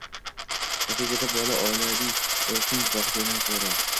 Natijada bola oilaviy urushning guvohiga aylanib qoladi.